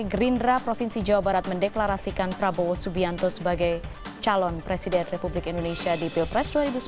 gerindra provinsi jawa barat mendeklarasikan prabowo subianto sebagai calon presiden republik indonesia di pilpres dua ribu sembilan belas